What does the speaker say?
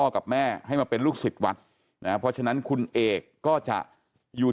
กับแม่ให้มาเป็นลูกศิษย์วัดนะเพราะฉะนั้นคุณเอกก็จะอยู่